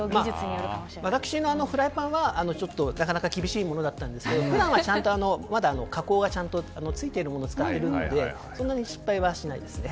私のフライパンはなかなか厳しいものでしたが普段はちゃんとまだ加工がついているものを使っているのでそんなに失敗はしないですね。